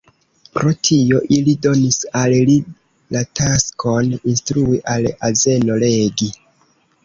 Pro tio ili donis al li la taskon instrui al azeno legi.